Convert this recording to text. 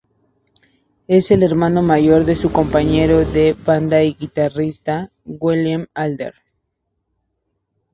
Es el hermano mayor de su compañero de banda y guitarrista Willie Adler.